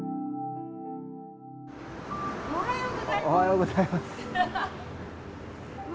おはようございます。